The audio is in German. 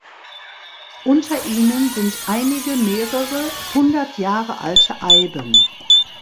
Unter ihnen sind einige mehrere hundert Jahre alte Eiben.